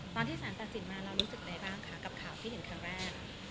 ตอนที่สารตัดสินมาเรารู้สึกอะไรบ้างคะกับข่าวที่เห็นครั้งแรก